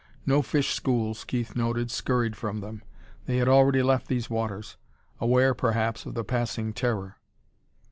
No fish schools, Keith noted, scurried from them. They had already left these waters; aware, perhaps, of the passing Terror....